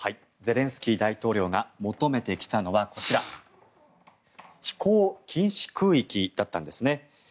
ゼレンスキー大統領が求めてきたのは、こちら飛行禁止空域だったんですね。